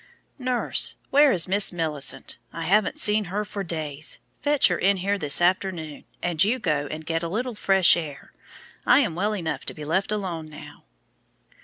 "Nurse, where is Miss Millicent? I haven't seen her for days. Fetch her in here this afternoon, and you go and get a little fresh air; I am well enough to be left alone now."